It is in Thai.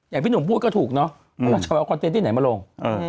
อย่างพี่หนุ่มพูดก็ถูกเนาะเอาคอนเทนต์ที่ไหนมาลง